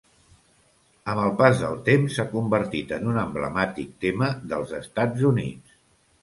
Amb el pas del temps s'ha convertit en un emblemàtic tema dels Estats Units.